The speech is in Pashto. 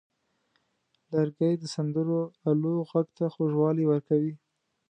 لرګی د سندرو آلو غږ ته خوږوالی ورکوي.